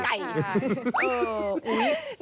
เหมือนข้าวไก่